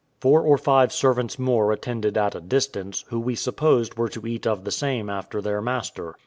Four or five servants more attended at a distance, who we supposed were to eat of the same after their master.